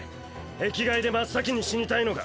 壁外で真っ先に死にたいのか！